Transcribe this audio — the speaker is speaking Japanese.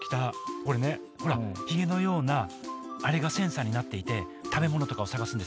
これねほらヒゲのようなあれがセンサーになっていて食べ物とかを探すんです。